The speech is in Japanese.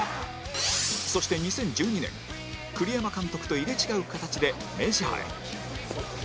そして２０１２年栗山監督と入れ違う形でメジャーへ